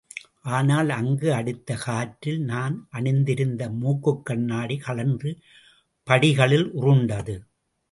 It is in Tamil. ஆனால் அங்கு அடித்த காற்றில், நான் அணிந்திருந்த மூக்குக் கண்ணாடி கழன்று படிகளில் உருண்டது.